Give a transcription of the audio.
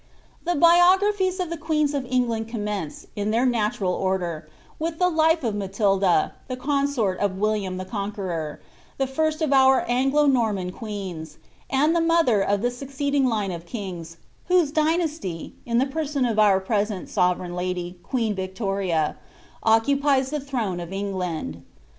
The biographies of Ihe queens of England commence, in their natural order, with Ihe life of Matilda, the consort of William rhe Conqueror, the first of our Anglo Norman queens, and the mother of the suc ceeding line of kings, whose dynasty, in the person of our present sovereign lady, queen Victoria, occupies the throne of England.